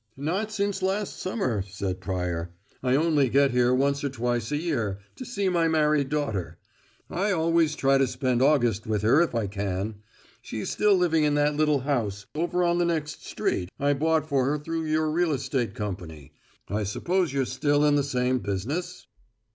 "Not since last summer," said Pryor. "I only get here once or twice a year, to see my married daughter. I always try to spend August with her if I can. She's still living in that little house, over on the next street, I bought for her through your real estate company. I suppose you're still in the same business?"